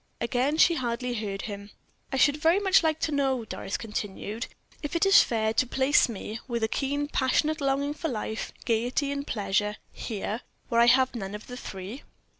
Again she hardly heard him. "I should very much like to know," Doris continued, "if it is fair to place me, with a keen, passionate longing for life, gayety, and pleasure, here, where I have none of the three."